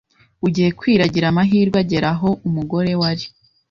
bugiye kwira agira amahirwe agera aho umugore we ari